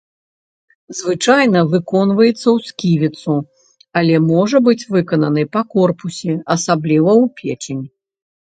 Звычайна выконваецца ў сківіцу, але можа быць выкананы па корпусе, асабліва ў печань.